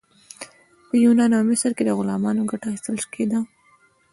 په یونان او مصر کې له غلامانو ګټه اخیستل کیده.